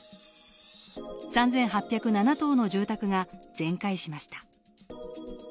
３８０７棟の住宅が全壊しました。